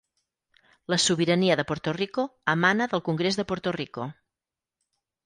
La sobirania de Puerto Rico emana del Congrés de Puerto Rico.